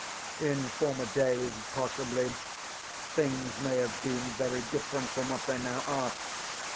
In former days, possibly, things may have been very different from what they now are.